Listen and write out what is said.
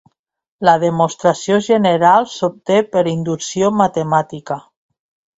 La demostració general s'obté per inducció matemàtica.